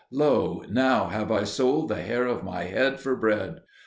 Lo, now have I sold the hair of my head for bread.